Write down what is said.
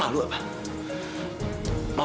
mama itu gak malu apa